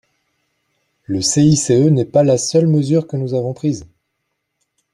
Le CICE n’est pas la seule mesure que nous avons prise.